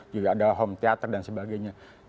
juga ada home teater dan sebagainya